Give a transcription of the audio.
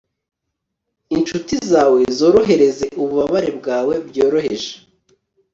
inshuti zawe zorohereze ububabare bwawe byoroheje